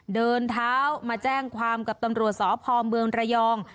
เดินเท้ามาแจ้งความกับตำรวจสพเมืองระยอง